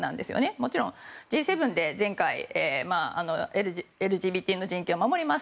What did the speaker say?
もちろんＧ７で前回、ＬＧＢＴの人権を守ります。